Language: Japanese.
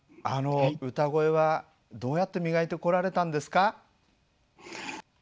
あの歌声はどうやって磨いてこられたんですか？